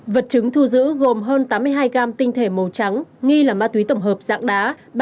vật chứng thu giữ gồm hơn tám mươi hai gam tinh thể màu trắng nghi là ma túy tổng hợp dạng đá